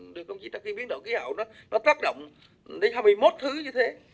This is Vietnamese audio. để công ty tăng kinh biến đổi khí hậu nó tác động đến hai mươi một thứ như thế